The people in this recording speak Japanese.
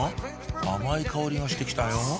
甘い香りがしてきたよ